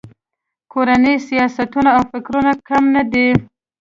کورني سیاستونه او فکرونه کم نه وي.